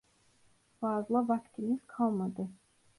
Fazla vaktimiz kalmadı.